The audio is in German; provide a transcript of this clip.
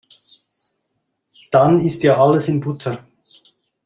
Dann ist ja alles in Butter.